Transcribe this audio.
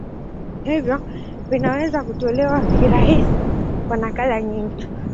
Hivyo vinaweza kutolewa kirahisi kwa nakala nyingi.